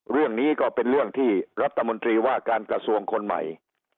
เรื่องนี้ก็เป็นเรื่องที่รัฐมนตรีว่าการกระทรวงคนใหม่